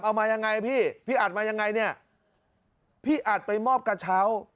เอามายังไงพี่อัฐไปมอบกระเช้า